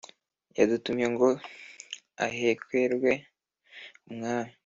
yadutumye ngo ahekwerwe umwami"